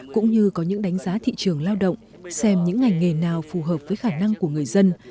cũng như có những đánh giá thị trường lao động xem những ngành nghề nào phù hợp với khả năng của người dân